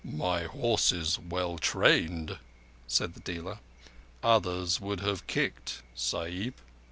"My horse is well trained," said the dealer. "Others would have kicked, Sahib."